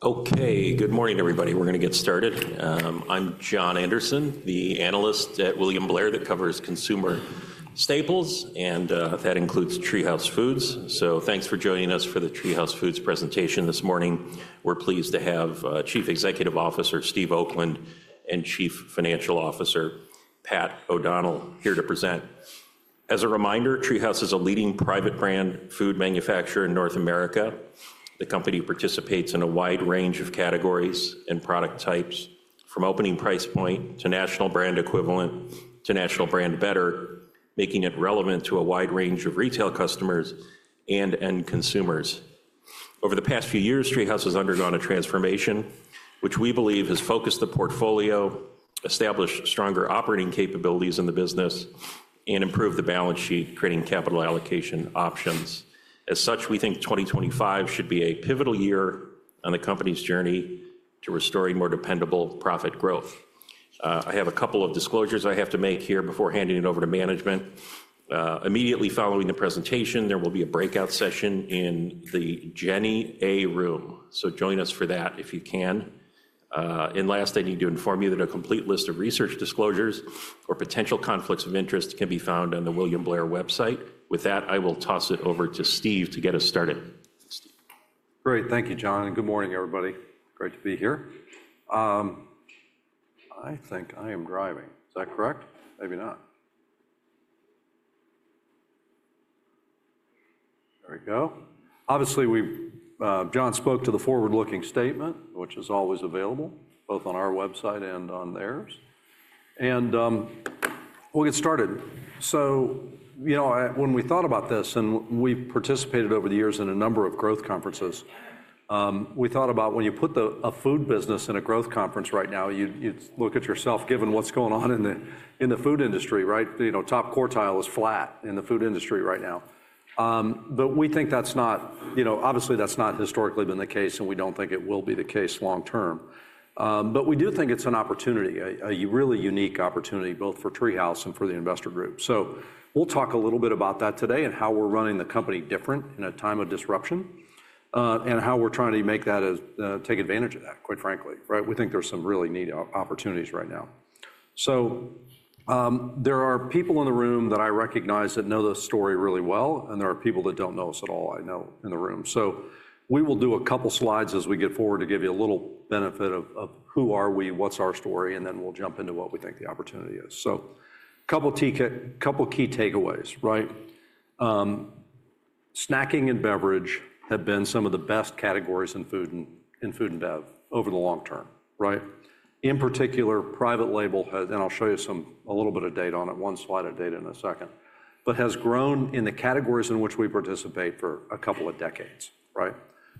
Okay, good morning, everybody. We're going to get started. I'm Jon Andersen, the analyst at William Blair that covers consumer staples, and that includes TreeHouse Foods. Thanks for joining us for the TreeHouse Foods presentation this morning. We're pleased to have Chief Executive Officer Steve Oakland and Chief Financial Officer Pat O'Donnell here to present. As a reminder, TreeHouse is a leading private brand food manufacturer in North America. The company participates in a wide range of categories and product types, from opening price point to national brand equivalent to national brand better, making it relevant to a wide range of retail customers and end consumers. Over the past few years, TreeHouse has undergone a transformation, which we believe has focused the portfolio, established stronger operating capabilities in the business, and improved the balance sheet, creating capital allocation options. As such, we think 2025 should be a pivotal year on the company's journey to restoring more dependable profit growth. I have a couple of disclosures I have to make here before handing it over to management. Immediately following the presentation, there will be a breakout session in the Jenny A. Room. Join us for that if you can. Last, I need to inform you that a complete list of research disclosures or potential conflicts of interest can be found on the William Blair website. With that, I will toss it over to Steve to get us started. Great. Thank you, Jon. Good morning, everybody. Great to be here. I think I am driving. Is that correct? Maybe not. There we go. Obviously, Jon spoke to the forward-looking statement, which is always available, both on our website and on theirs. We will get started. When we thought about this, and we participated over the years in a number of growth conferences, we thought about when you put a food business in a growth conference right now, you look at yourself, given what is going on in the food industry, right? Top quartile is flat in the food industry right now. We think that is not, obviously, that is not historically been the case, and we do not think it will be the case long term. We do think it is an opportunity, a really unique opportunity, both for TreeHouse and for the investor group. We'll talk a little bit about that today and how we're running the company different in a time of disruption and how we're trying to take advantage of that, quite frankly, right? We think there's some really neat opportunities right now. There are people in the room that I recognize that know the story really well, and there are people that don't know us at all I know in the room. We will do a couple of slides as we get forward to give you a little benefit of who are we, what's our story, and then we'll jump into what we think the opportunity is. A couple of key takeaways, right? Snacking and beverage have been some of the best categories in food and bev over the long term, right? In particular, private label has, and I'll show you a little bit of data on it, one slide of data in a second, but has grown in the categories in which we participate for a couple of decades, right?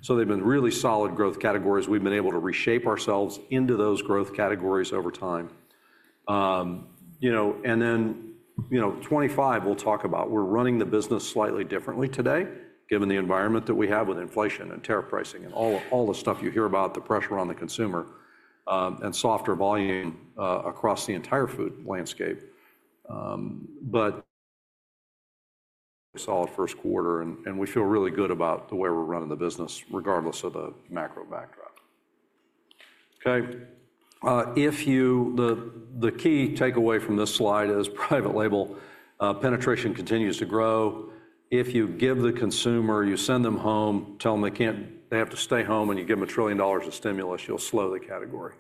They have been really solid growth categories. We've been able to reshape ourselves into those growth categories over time. In 2025, we'll talk about we're running the business slightly differently today, given the environment that we have with inflation and tariff pricing and all the stuff you hear about, the pressure on the consumer and softer volume across the entire food landscape. Solid first quarter, and we feel really good about the way we're running the business, regardless of the macro backdrop. Okay. The key takeaway from this slide is private label penetration continues to grow. If you give the consumer, you send them home, tell them they have to stay home, and you give them a trillion dollars of stimulus, you'll slow the category,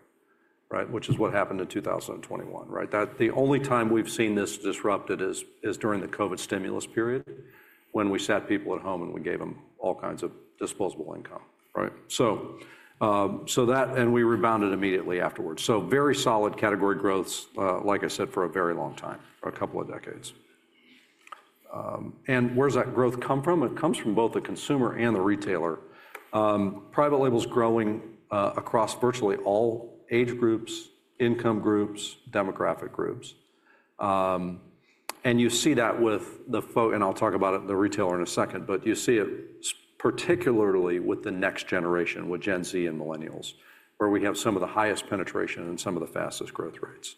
right? Which is what happened in 2021, right? The only time we've seen this disrupted is during the COVID stimulus period, when we sat people at home and we gave them all kinds of disposable income, right? We rebounded immediately afterwards. Very solid category growth, like I said, for a very long time, for a couple of decades. Where does that growth come from? It comes from both the consumer and the retailer. Private label's growing across virtually all age groups, income groups, demographic groups. You see that with the, and I'll talk about the retailer in a second, but you see it particularly with the next generation, with Gen Z and millennials, where we have some of the highest penetration and some of the fastest growth rates.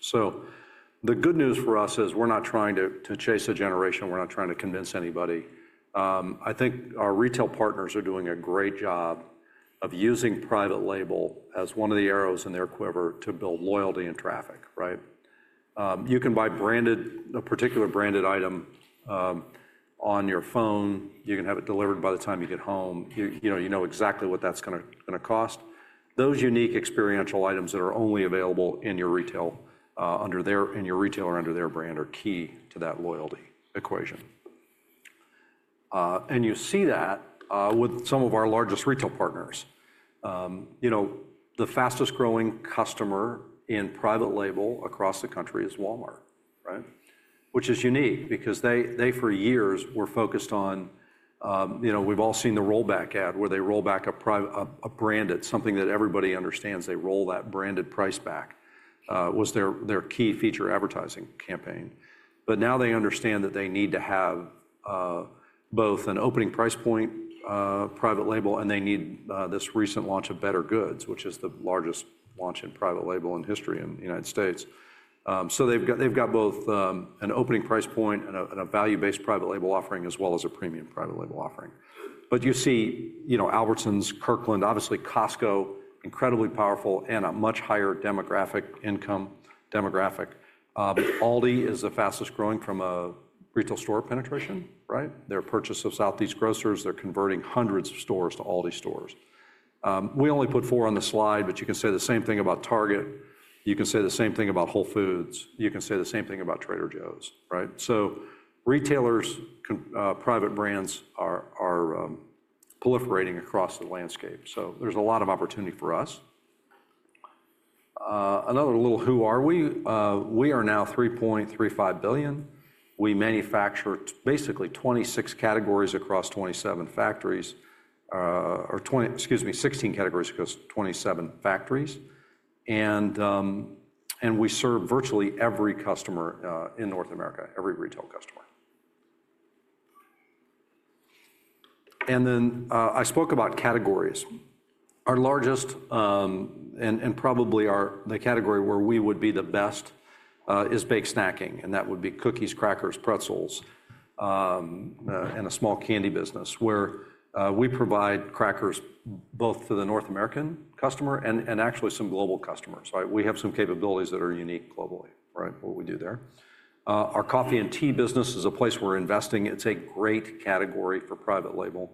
The good news for us is we're not trying to chase a generation. We're not trying to convince anybody. I think our retail partners are doing a great job of using private label as one of the arrows in their quiver to build loyalty and traffic, right? You can buy a particular branded item on your phone. You can have it delivered by the time you get home. You know exactly what that's going to cost. Those unique experiential items that are only available in your retail or under their brand are key to that loyalty equation. You see that with some of our largest retail partners. The fastest growing customer in private label across the country is Walmart, right? Which is unique because they, for years, were focused on, we've all seen the rollback ad where they roll back a branded, something that everybody understands, they roll that branded price back, was their key feature advertising campaign. Now they understand that they need to have both an opening price point, private label, and they need this recent launch of Bettergoods, which is the largest launch in private label in history in the United States. They've got both an opening price point and a value-based private label offering, as well as a premium private label offering. You see Albertsons, Kirkland, obviously Costco, incredibly powerful and a much higher income demographic. Aldi is the fastest growing from a retail store penetration, right? Their purchase of Southeastern Grocers, they're converting hundreds of stores to Aldi stores. We only put four on the slide, but you can say the same thing about Target. You can say the same thing about Whole Foods. You can say the same thing about Trader Joe's, right? Retailers, private brands are proliferating across the landscape. There's a lot of opportunity for us. Another little who are we? We are now $3.35 billion. We manufacture basically 26 categories across 27 factories, or excuse me, 16 categories across 27 factories. We serve virtually every customer in North America, every retail customer. I spoke about categories. Our largest and probably the category where we would be the best is baked snacking, and that would be cookies, crackers, pretzels, and a small candy business, where we provide crackers both to the North American customer and actually some global customers, right? We have some capabilities that are unique globally, right, what we do there. Our coffee and tea business is a place we're investing. It's a great category for private label,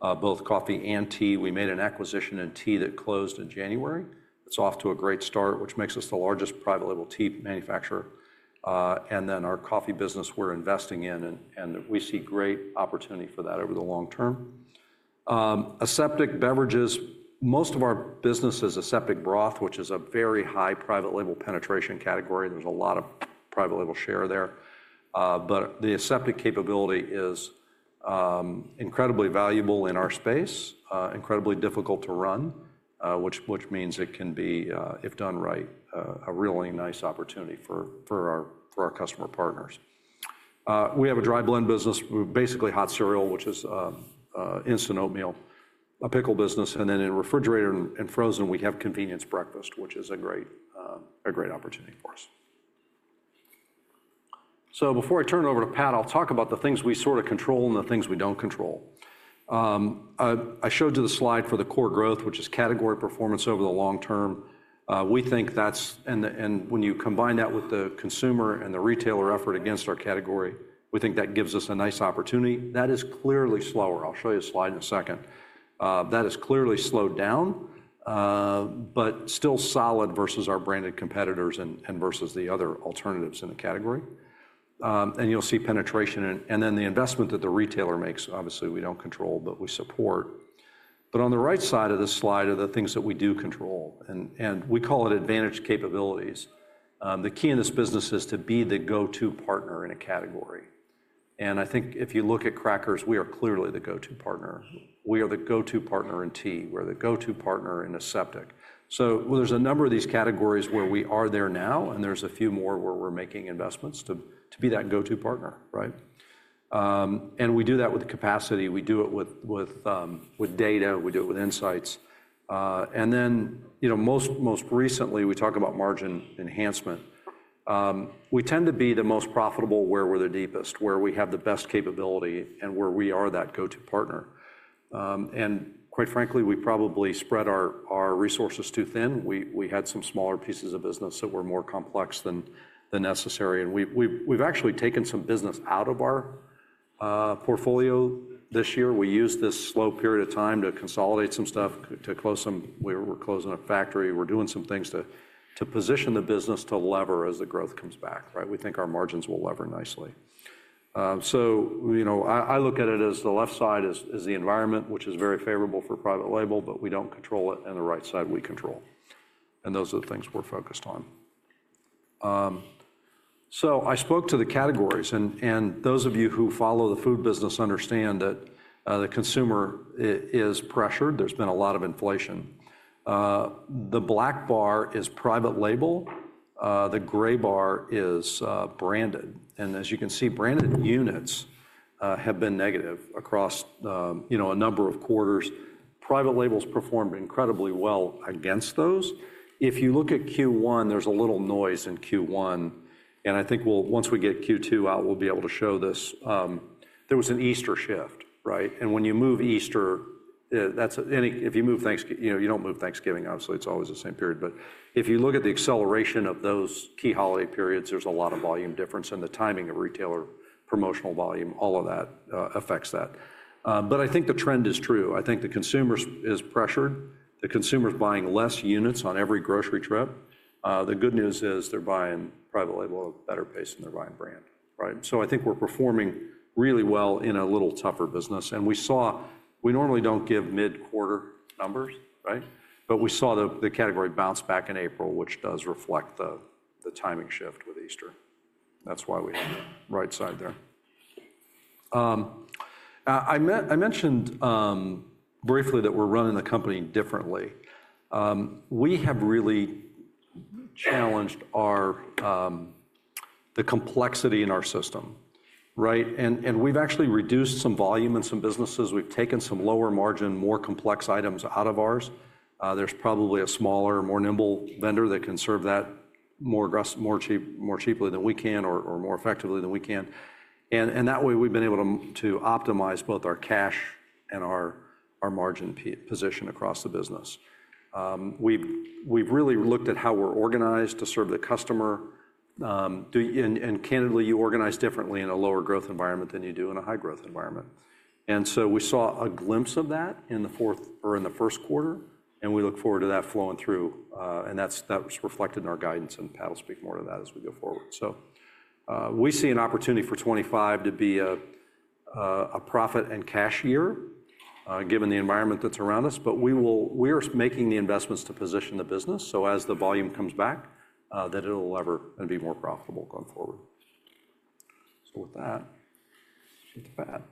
both coffee and tea. We made an acquisition in tea that closed in January. It's off to a great start, which makes us the largest private label tea manufacturer. Our coffee business we're investing in, and we see great opportunity for that over the long term. Aseptic beverages, most of our business is aseptic broth, which is a very high private label penetration category. There's a lot of private label share there. The aseptic capability is incredibly valuable in our space, incredibly difficult to run, which means it can be, if done right, a really nice opportunity for our customer partners. We have a dry blend business, basically hot cereal, which is instant oatmeal, a pickle business. In refrigerator and frozen, we have convenience breakfast, which is a great opportunity for us. Before I turn it over to Pat, I'll talk about the things we sort of control and the things we don't control. I showed you the slide for the core growth, which is category performance over the long term. We think that's, and when you combine that with the consumer and the retailer effort against our category, we think that gives us a nice opportunity. That is clearly slower. I'll show you a slide in a second. That has clearly slowed down, but still solid versus our branded competitors and versus the other alternatives in the category. You will see penetration. The investment that the retailer makes, obviously we do not control, but we support. On the right side of this slide are the things that we do control. We call it advantage capabilities. The key in this business is to be the go-to partner in a category. I think if you look at crackers, we are clearly the go-to partner. We are the go-to partner in tea. We are the go-to partner in aseptic. There are a number of these categories where we are there now, and there are a few more where we are making investments to be that go-to partner, right? We do that with capacity. We do it with data. We do it with insights. Most recently, we talk about margin enhancement. We tend to be the most profitable where we're the deepest, where we have the best capability, and where we are that go-to partner. Quite frankly, we probably spread our resources too thin. We had some smaller pieces of business that were more complex than necessary. We've actually taken some business out of our portfolio this year. We used this slow period of time to consolidate some stuff, to close some, we were closing a factory. We're doing some things to position the business to lever as the growth comes back, right? We think our margins will lever nicely. I look at it as the left side is the environment, which is very favorable for private label, but we don't control it. The right side, we control. Those are the things we're focused on. I spoke to the categories. And those of you who follow the food business understand that the consumer is pressured. There has been a lot of inflation. The black bar is private label. The gray bar is branded. As you can see, branded units have been negative across a number of quarters. Private labels performed incredibly well against those. If you look at Q1, there is a little noise in Q1. I think once we get Q2 out, we will be able to show this. There was an Easter shift, right? When you move Easter, if you move Thanksgiving, you do not move Thanksgiving, obviously, it is always the same period. If you look at the acceleration of those key holiday periods, there is a lot of volume difference in the timing of retailer promotional volume. All of that affects that. I think the trend is true. I think the consumer is pressured. The consumer's buying less units on every grocery trip. The good news is they're buying private label at a better pace than they're buying brand, right? I think we're performing really well in a little tougher business. We saw, we normally don't give mid-quarter numbers, right? We saw the category bounce back in April, which does reflect the timing shift with Easter. That's why we have the right side there. I mentioned briefly that we're running the company differently. We have really challenged the complexity in our system, right? We've actually reduced some volume in some businesses. We've taken some lower margin, more complex items out of ours. There's probably a smaller, more nimble vendor that can serve that more cheaply than we can or more effectively than we can. That way, we've been able to optimize both our cash and our margin position across the business. We've really looked at how we're organized to serve the customer. Candidly, you organize differently in a lower growth environment than you do in a high growth environment. We saw a glimpse of that in the first quarter, and we look forward to that flowing through. That is reflected in our guidance, and Pat will speak more to that as we go forward. We see an opportunity for 2025 to be a profit and cash year given the environment that's around us. We are making the investments to position the business so as the volume comes back, that it'll lever and be more profitable going forward. With that, let's get to Pat.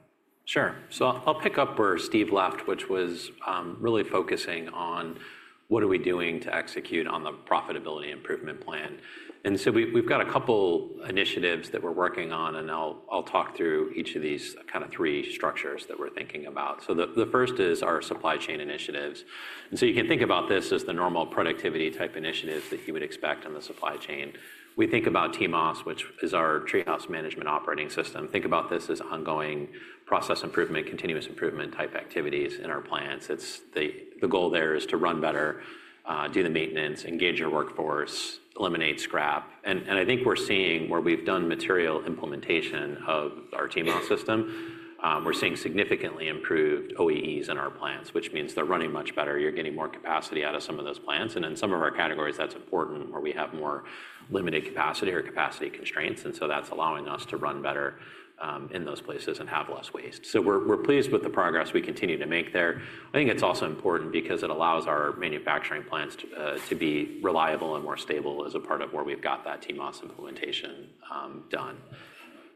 Sure, I'll pick up where Steve left, which was really focusing on what are we doing to execute on the profitability improvement plan. We've got a couple of initiatives that we're working on, and I'll talk through each of these kind of three structures that we're thinking about. The first is our supply chain initiatives. You can think about this as the normal productivity type initiatives that you would expect on the supply chain. We think about TMOS, which is our TreeHouse Management Operating System. Think about this as ongoing process improvement, continuous improvement type activities in our plants. The goal there is to run better, do the maintenance, engage your workforce, eliminate scrap. I think we're seeing where we've done material implementation of our TMOS system, we're seeing significantly improved OEEs in our plants, which means they're running much better. You're getting more capacity out of some of those plants. In some of our categories, that's important where we have more limited capacity or capacity constraints. That's allowing us to run better in those places and have less waste. We're pleased with the progress we continue to make there. I think it's also important because it allows our manufacturing plants to be reliable and more stable as a part of where we've got that TMOS implementation done.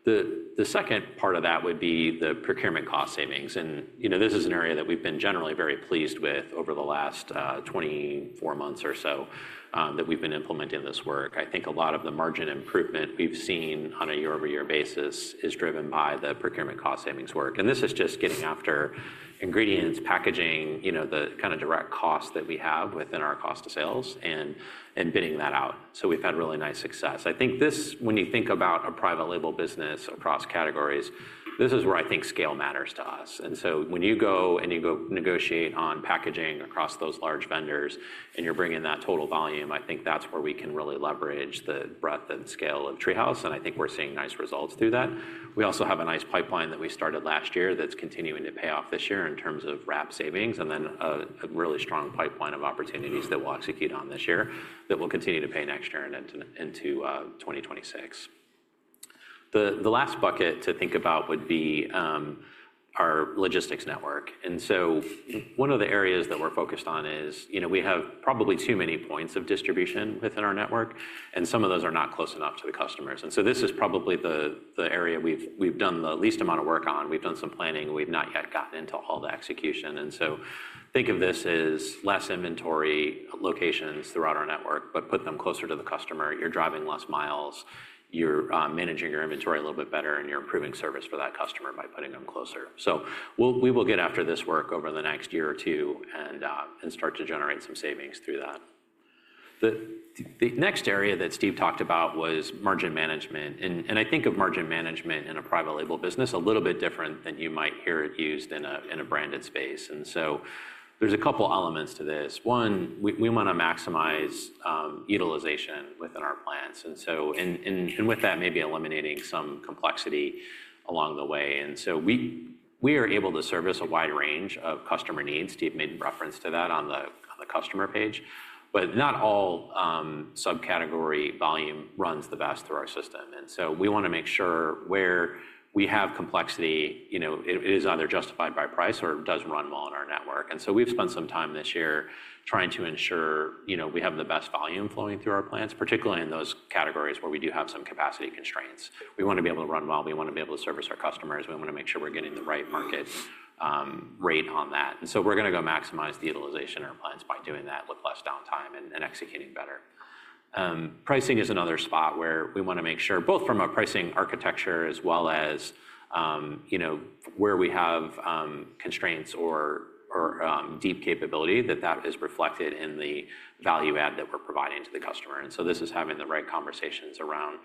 The second part of that would be the procurement cost savings. This is an area that we've been generally very pleased with over the last 24 months or so that we've been implementing this work. I think a lot of the margin improvement we've seen on a year-over-year basis is driven by the procurement cost savings work. This is just getting after ingredients, packaging, the kind of direct cost that we have within our cost of sales and bidding that out. We have had really nice success. I think this, when you think about a private label business across categories, this is where I think scale matters to us. When you go and you go negotiate on packaging across those large vendors and you are bringing that total volume, I think that is where we can really leverage the breadth and scale of TreeHouse. I think we are seeing nice results through that. We also have a nice pipeline that we started last year that is continuing to pay off this year in terms of wrap savings and then a really strong pipeline of opportunities that we will execute on this year that will continue to pay next year into 2026. The last bucket to think about would be our logistics network. One of the areas that we're focused on is we have probably too many points of distribution within our network, and some of those are not close enough to the customers. This is probably the area we've done the least amount of work on. We've done some planning. We've not yet gotten into all the execution. Think of this as less inventory locations throughout our network, but put them closer to the customer. You're driving less miles. You're managing your inventory a little bit better, and you're improving service for that customer by putting them closer. We will get after this work over the next year or two and start to generate some savings through that. The next area that Steve talked about was margin management. I think of margin management in a private label business a little bit different than you might hear it used in a branded space. There are a couple of elements to this. One, we want to maximize utilization within our plants. With that, maybe eliminating some complexity along the way. We are able to service a wide range of customer needs. Steve made reference to that on the customer page. Not all subcategory volume runs the best through our system. We want to make sure where we have complexity, it is either justified by price or it does run well in our network. We have spent some time this year trying to ensure we have the best volume flowing through our plants, particularly in those categories where we do have some capacity constraints. We want to be able to run well. We want to be able to service our customers. We want to make sure we're getting the right market rate on that. We are going to go maximize the utilization in our plants by doing that, with less downtime and executing better. Pricing is another spot where we want to make sure both from our pricing architecture as well as where we have constraints or deep capability that that is reflected in the value add that we're providing to the customer. This is having the right conversations around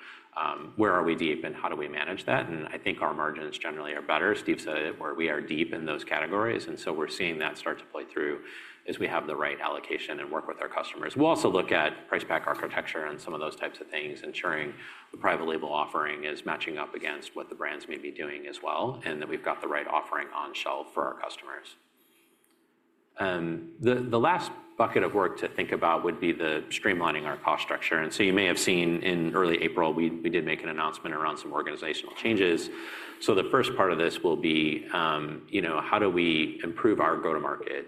where are we deep and how do we manage that. I think our margins generally are better. Steve said where we are deep in those categories. We are seeing that start to play through as we have the right allocation and work with our customers. We'll also look at price pack architecture and some of those types of things, ensuring the private label offering is matching up against what the brands may be doing as well, and that we've got the right offering on shelf for our customers. The last bucket of work to think about would be streamlining our cost structure. You may have seen in early April, we did make an announcement around some organizational changes. The first part of this will be how do we improve our go-to-market.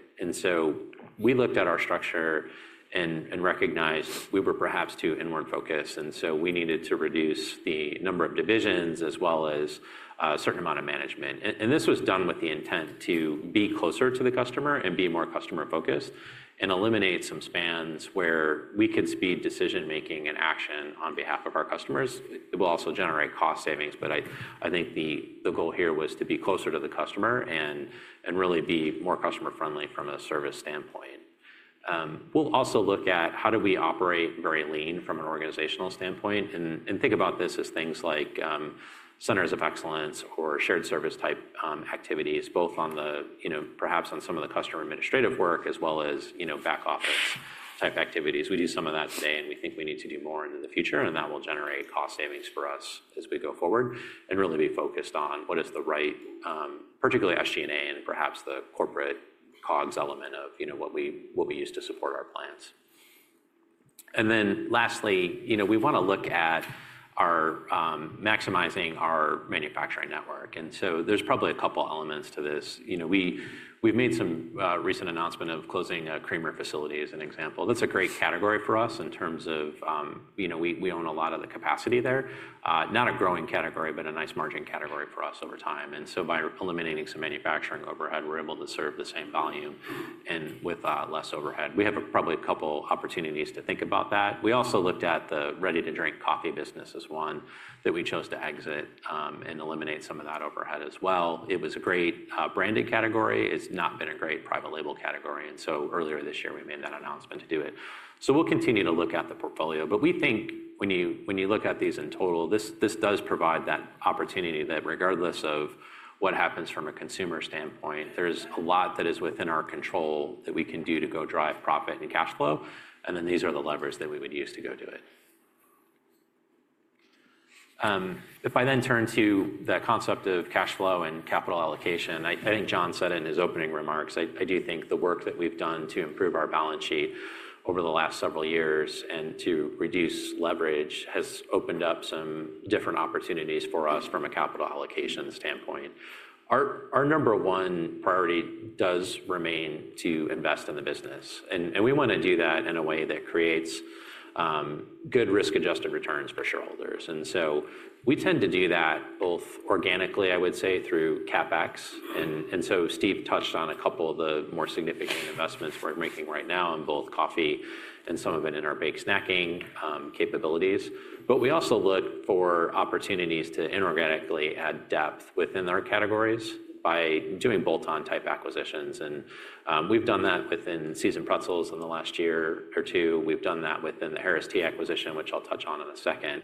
We looked at our structure and recognized we were perhaps too inward-focused. We needed to reduce the number of divisions as well as a certain amount of management. This was done with the intent to be closer to the customer and be more customer-focused and eliminate some spans where we could speed decision-making and action on behalf of our customers. It will also generate cost savings. I think the goal here was to be closer to the customer and really be more customer-friendly from a service standpoint. We'll also look at how do we operate very lean from an organizational standpoint and think about this as things like centers of excellence or shared service type activities, both perhaps on some of the customer administrative work as well as back office type activities. We do some of that today, and we think we need to do more in the future. That will generate cost savings for us as we go forward and really be focused on what is the right, particularly SG&A and perhaps the corporate COGS element of what we use to support our plants. Lastly, we want to look at maximizing our manufacturing network. There are probably a couple of elements to this. We have made some recent announcement of closing a F facility as an example. That is a great category for us in terms of we own a lot of the capacity there. Not a growing category, but a nice margin category for us over time. By eliminating some manufacturing overhead, we are able to serve the same volume with less overhead. We have probably a couple of opportunities to think about that. We also looked at the ready-to-drink coffee business as one that we chose to exit and eliminate some of that overhead as well. It was a great branded category. It's not been a great private label category. Earlier this year, we made that announcement to do it. We will continue to look at the portfolio. We think when you look at these in total, this does provide that opportunity that regardless of what happens from a consumer standpoint, there is a lot that is within our control that we can do to go drive profit and cash flow. These are the levers that we would use to go do it. If I then turn to the concept of cash flow and capital allocation, I think Jon said in his opening remarks, I do think the work that we've done to improve our balance sheet over the last several years and to reduce leverage has opened up some different opportunities for us from a capital allocation standpoint. Our number one priority does remain to invest in the business. We want to do that in a way that creates good risk-adjusted returns for shareholders. We tend to do that both organically, I would say, through CapEx. Steve touched on a couple of the more significant investments we're making right now in both coffee and some of it in our baked snacking capabilities. We also look for opportunities to inorganically add depth within our categories by doing bolt-on type acquisitions. We have done that within seasoned pretzels in the last year or two. We have done that within the Harris Tea acquisition, which I will touch on in a second.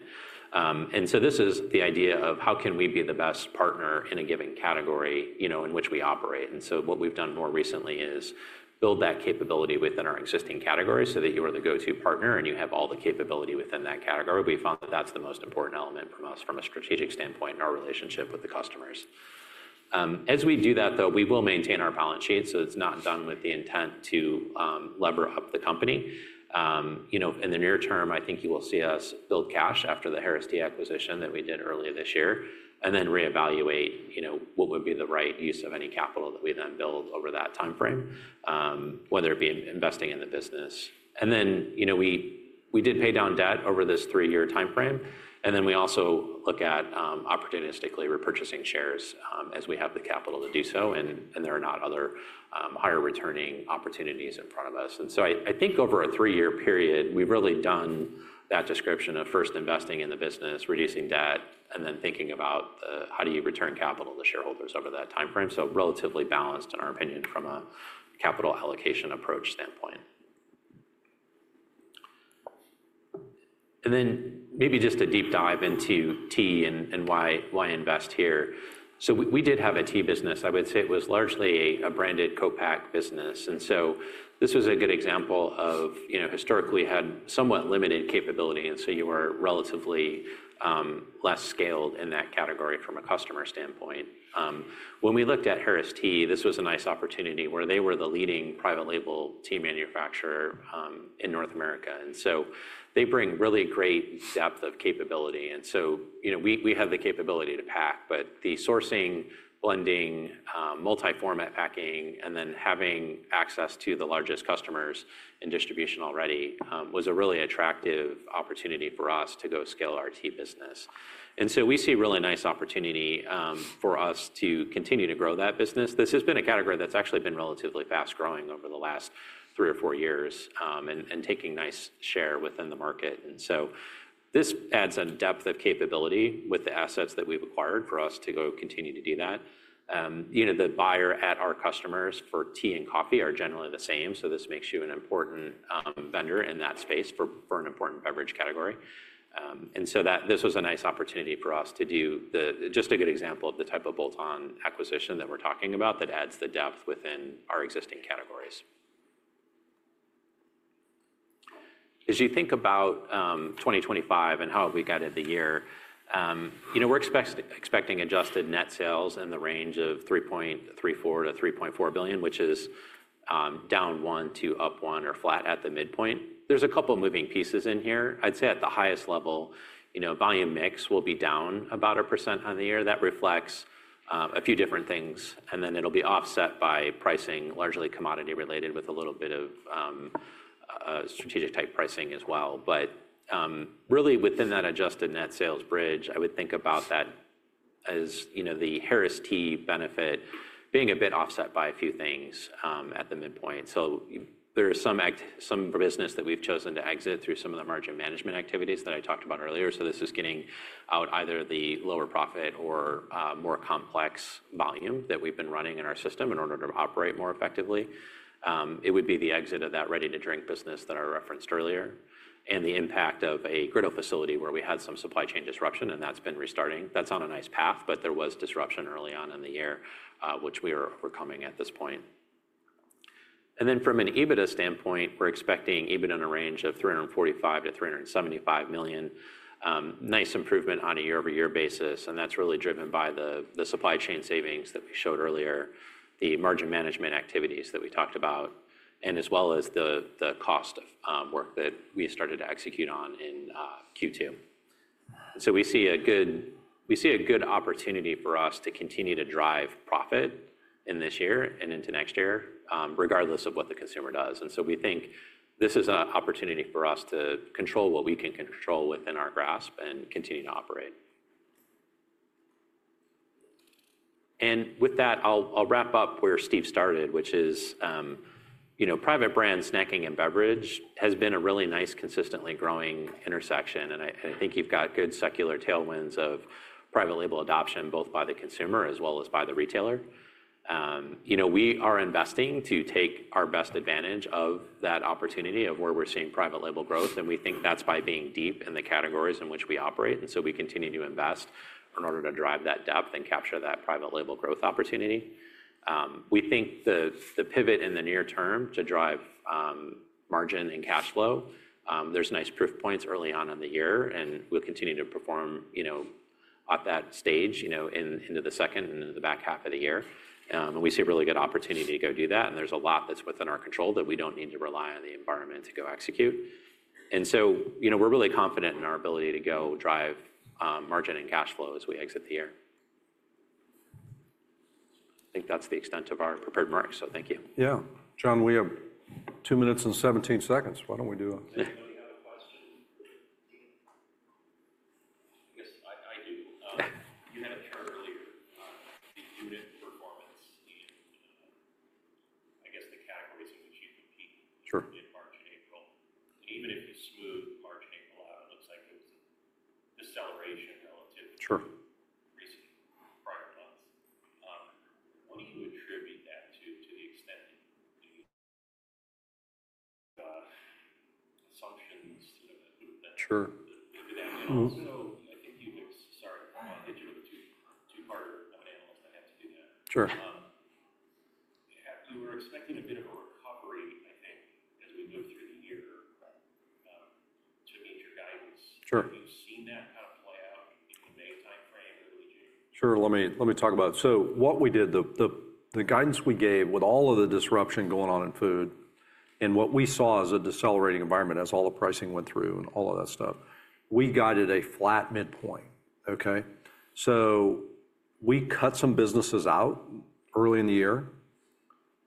This is the idea of how can we be the best partner in a given category in which we operate. What we have done more recently is build that capability within our existing categories so that you are the go-to partner and you have all the capability within that category. We found that is the most important element for us from a strategic standpoint in our relationship with the customers. As we do that, though, we will maintain our balance sheet. It is not done with the intent to lever up the company. In the near term, I think you will see us build cash after the Harris Tea acquisition that we did earlier this year and then reevaluate what would be the right use of any capital that we then build over that timeframe, whether it be investing in the business. We did pay down debt over this three-year timeframe. We also look at opportunistically repurchasing shares as we have the capital to do so and there are not other higher returning opportunities in front of us. I think over a three-year period, we've really done that description of first investing in the business, reducing debt, and then thinking about how do you return capital to shareholders over that timeframe. Relatively balanced in our opinion from a capital allocation approach standpoint. Maybe just a deep dive into tea and why invest here. We did have a tea business. I would say it was largely a branded co-pack business. This was a good example of historically had somewhat limited capability. You were relatively less scaled in that category from a customer standpoint. When we looked at Harris Tea, this was a nice opportunity where they were the leading private label tea manufacturer in North America. They bring really great depth of capability. We have the capability to pack, but the sourcing, blending, multi-format packing, and then having access to the largest customers in distribution already was a really attractive opportunity for us to go scale our tea business. We see a really nice opportunity for us to continue to grow that business. This has been a category that's actually been relatively fast growing over the last three or four years and taking nice share within the market. This adds on depth of capability with the assets that we've acquired for us to go continue to do that. The buyer at our customers for tea and coffee are generally the same. This makes you an important vendor in that space for an important beverage category. This was a nice opportunity for us to do just a good example of the type of bolt-on acquisition that we're talking about that adds the depth within our existing categories. As you think about 2025 and how have we guided the year, we're expecting adjusted net sales in the range of $3.34 billion-$3.4 billion, which is down one, two up one, or flat at the midpoint. There's a couple of moving pieces in here. I'd say at the highest level, volume mix will be down about 1% on the year. That reflects a few different things. It will be offset by pricing, largely commodity-related with a little bit of strategic type pricing as well. Really within that adjusted net sales bridge, I would think about that as the Harris Tea benefit being a bit offset by a few things at the midpoint. There is some business that we've chosen to exit through some of the margin management activities that I talked about earlier. This is getting out either the lower profit or more complex volume that we've been running in our system in order to operate more effectively. It would be the exit of that ready-to-drink business that I referenced earlier and the impact of a griddle facility where we had some supply chain disruption, and that has been restarting. That is on a nice path, but there was disruption early on in the year, which we are overcoming at this point. From an EBITDA standpoint, we are expecting EBITDA in a range of $345 million-$375 million, nice improvement on a year-over-year basis. That is really driven by the supply chain savings that we showed earlier, the margin management activities that we talked about, as well as the cost of work that we started to execute on in Q2. We see a good opportunity for us to continue to drive profit in this year and into next year, regardless of what the consumer does. We think this is an opportunity for us to control what we can control within our grasp and continue to operate. With that, I'll wrap up where Steve started, which is private brand snacking and beverage has been a really nice, consistently growing intersection. I think you've got good secular tailwinds of private label adoption, both by the consumer as well as by the retailer. We are investing to take our best advantage of that opportunity of where we're seeing private label growth. We think that's by being deep in the categories in which we operate. We continue to invest in order to drive that depth and capture that private label growth opportunity. We think the pivot in the near term to drive margin and cash flow, there's nice proof points early on in the year. We will continue to perform at that stage into the second and into the back half of the year. We see a really good opportunity to go do that. There is a lot that is within our control that we do not need to rely on the environment to go execute. We are really confident in our ability to go drive margin and cash flow as we exit the year. I think that is the extent of our prepared marks. Thank you. Jon, we have two minutes and 17 seconds. Why do we not do a? I have a question. I guess I do. You had a term earlier, the unit performance and I guess the categories in which you compete in March and April. Even if you smooth March and April out, it looks like there was a deceleration relative to recent prior months. What do you attribute that to, to the extent that you assumptions that? Sure. I think you've—sorry, I'll hit you with a two-part analysis. I have to do that. Sure. You were expecting a bit of a recovery, I think, as we move through the year to meet your guidance. Have you seen that kind of play out in the May timeframe or early June? Sure. Let me talk about it. What we did, the guidance we gave with all of the disruption going on in food and what we saw as a decelerating environment as all the pricing went through and all of that stuff, we guided a flat midpoint, okay? We cut some businesses out early in the year.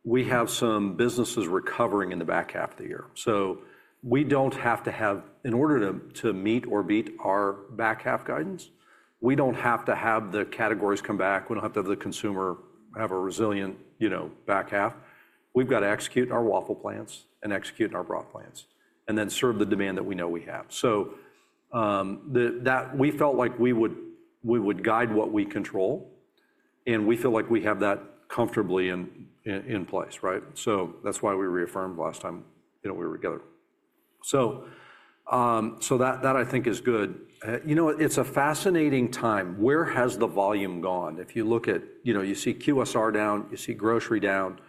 We have some businesses recovering in the back half of the year. We do not have to have, in order to meet or beat our back half guidance, the categories come back. We do not have to have the consumer have a resilient back half. We have to execute our waffle plants and execute our broth plants and then serve the demand that we know we have. We felt like we would guide what we control, and we feel like we have that comfortably in place, right? That is why we reaffirmed last time we were together. That, I think, is good. It is a fascinating time. Where has the volume gone? If you look at, you see QSR down, you see grocery down.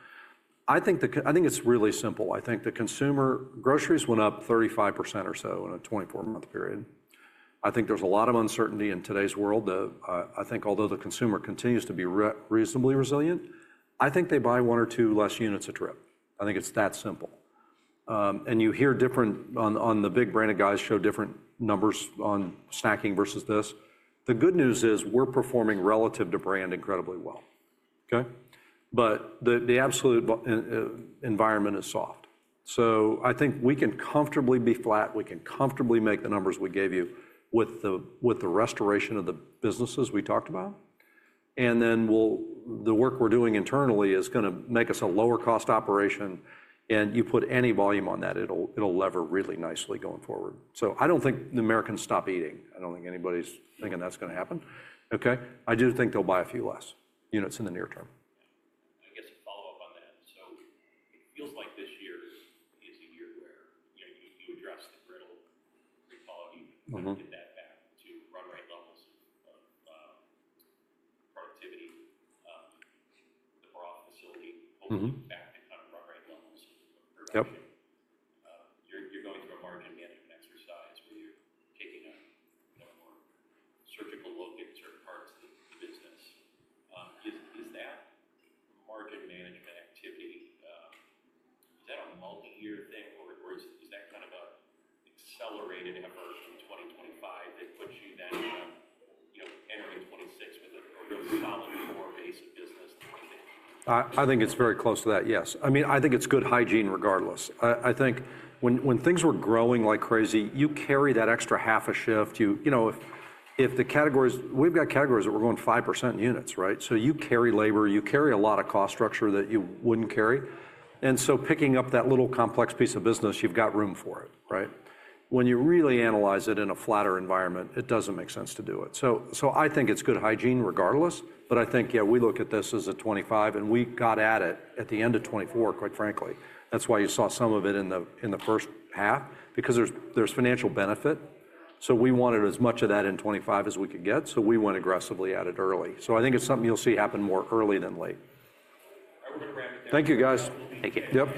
I think it is really simple. I think the consumer, groceries went up 35% or so in a 24-month period. I think there is a lot of uncertainty in today's world. I think although the consumer continues to be reasonably resilient, I think they buy one or two less units a trip. I think it is that simple. You hear different on the big branded guys show different numbers on snacking versus this. The good news is we are performing relative to brand incredibly well, okay? The absolute environment is soft. I think we can comfortably be flat. We can comfortably make the numbers we gave you with the restoration of the businesses we talked about. The work we're doing internally is going to make us a lower-cost operation. You put any volume on that, it'll lever really nicely going forward. I don't think the Americans stop eating. I don't think anybody's thinking that's going to happen, okay? I do think they'll buy a few less units in the near term. I guess a follow-up on that. It feels like this year is a year where you address the griddle and free quality and get that back to run rate levels of productivity. The broth facility hopefully back to kind of run rate levels of production. You're going through a margin management exercise where you're taking a more surgical look at certain parts of the business. Is that margin management activity, is that a multi-year thing or is that kind of an accelerated effort in 2025 that puts you then entering 2026 with a really solid core base of business? I think it's very close to that, yes. I mean, I think it's good hygiene regardless. I think when things were growing like crazy, you carry that extra half a shift. If the categories, we've got categories that were going 5% in units, right? You carry labor, you carry a lot of cost structure that you wouldn't carry. Picking up that little complex piece of business, you've got room for it, right? When you really analyze it in a flatter environment, it doesn't make sense to do it. I think it's good hygiene regardless. I think, yeah, we look at this as a 2025, and we got at it at the end of 2024, quite frankly. That's why you saw some of it in the first half, because there's financial benefit. We wanted as much of that in 2025 as we could get. We went aggressively at it early. I think it's something you'll see happen more early than late. Thank you, guys. Thank you.